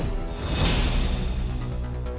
udah udah ya ingat